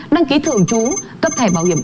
đăng ký thưởng trú cấp thẻ bảo hiểm